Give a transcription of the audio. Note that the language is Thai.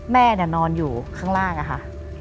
แม่นอนอยู่ข้างล่างอะค่ะ